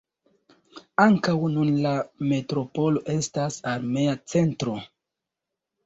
Ankaŭ nun la metropolo estas armea centro.